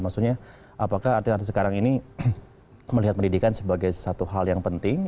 maksudnya apakah artis artis sekarang ini melihat pendidikan sebagai satu hal yang penting